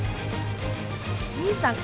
じいさん